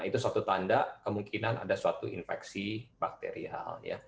itu suatu tanda kemungkinan ada suatu infeksi bakterial